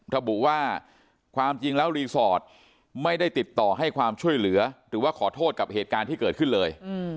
ระบุว่าความจริงแล้วรีสอร์ทไม่ได้ติดต่อให้ความช่วยเหลือหรือว่าขอโทษกับเหตุการณ์ที่เกิดขึ้นเลย